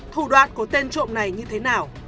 thủ đoạn của tên trộm này như thế nào